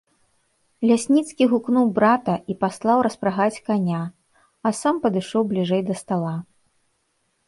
Лясніцкі гукнуў брата і паслаў распрагаць каня, а сам падышоў бліжэй да стала.